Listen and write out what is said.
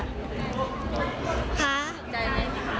ถูกใจไหม